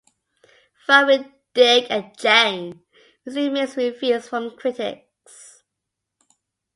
"Fun with Dick and Jane" received mixed reviews from critics.